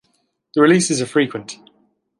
The releases are frequent.